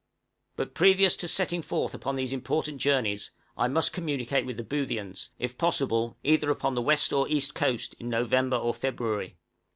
But previous to setting forth upon these important journeys, I must communicate with the Boothians, if possible, either upon the west or east coast, in November or February.